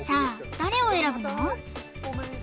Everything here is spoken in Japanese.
誰を選ぶの？